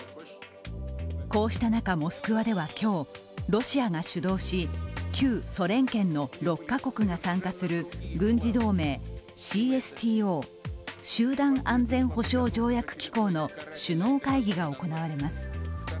こうした中、モスクワでは今日、ロシアが主導し旧ソ連圏の６カ国が参加する軍事同盟ＣＳＴＯ＝集団安全保障条約機構の首脳会議が行われます。